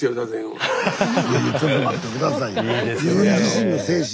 いやいやちょっと待って下さい。